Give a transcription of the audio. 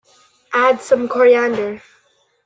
Add some coriander.